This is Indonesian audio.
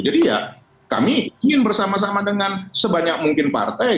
jadi ya kami ingin bersama sama dengan sebanyak mungkin partai